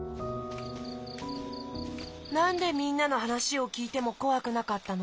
なんでみんなのはなしをきいてもこわくなかったの？